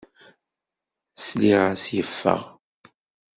Sliɣ-as yeffeɣ.